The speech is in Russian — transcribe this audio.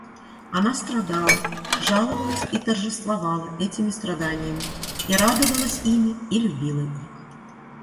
Она страдала, жаловалась и торжествовала этими страданиями, и радовалась ими, и любила их.